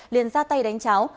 liền ra tay đánh cháo